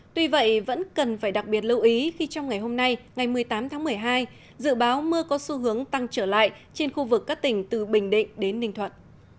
tuy vậy vẫn cần phải đặc biệt lưu ý khi trong ngày hôm nay ngày một mươi tám tháng một mươi hai dự báo mưa có xu hướng tăng trở lại trên khu vực các tỉnh từ bình định đến ninh thuận